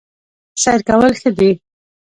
سیر کول ښه دي